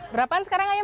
berapaan sekarang ayam